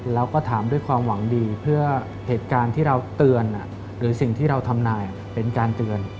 เราก็ถามด้วยความหวังดีเพื่อเหตุการณ์ที่เราเตือนหรือสิ่งที่เราทำนายเป็นการเตือน